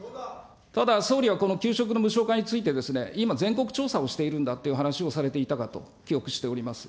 ただ、総理はこの給食の無償化について、今、全国調査をしているんだっていう話をされていたかと記憶しております。